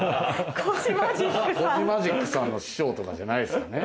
コジマジックさんの師匠とかじゃないですもんね。